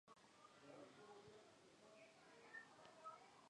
El entrenador fue Gastón Castro.